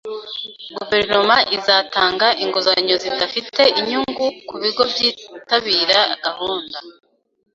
Guverinoma izatanga inguzanyo zidafite inyungu ku bigo byitabira gahunda